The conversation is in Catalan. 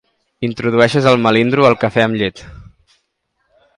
Introdueixes el melindro al cafè amb llet.